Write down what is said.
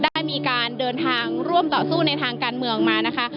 ได้มีการเดินทางร่วมต่อสู้ในทางการเมืองมานะคะ